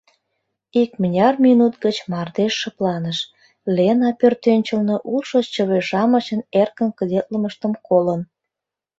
Икмыняр минут гыч мардеж шыпланыш, Лена пӧртӧнчылнӧ улшо чыве-шамычын эркын кыдетлымыштым колын.